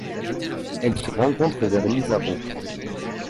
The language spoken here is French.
Elle se rencontre vers Lisarow.